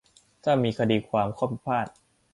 ถ้ามีคดีความข้อพิพาท